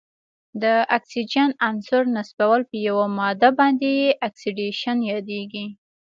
د اکسیجن عنصر نصبول په یوه ماده باندې اکسیدیشن یادیږي.